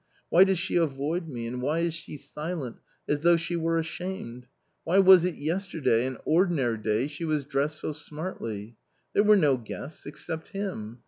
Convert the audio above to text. " Why does she avoid me, and why is she silent, as though she were ashamed ? Why was it yesterday, an ordinary day, she was dressed so smartly ? There were no guests, except him.